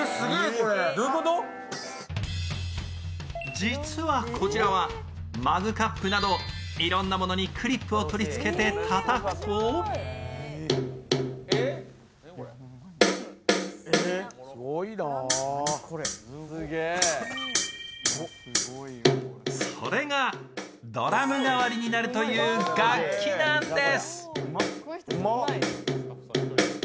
実はこちらはマグカップなどクリップを取りつけてたたくとそれがドラム代わりになるという楽器なんです。